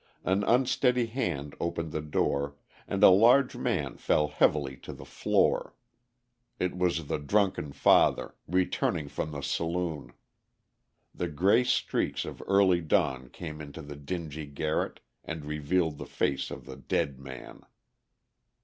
An unsteady hand opened the door; and a large man fell heavily to the floor. It was the drunken father, returning from the saloon.... The gray streaks of early dawn came into the dingy garret, and revealed the face of the dead man.